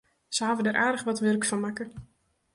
Se hawwe der aardich wat wurk fan makke.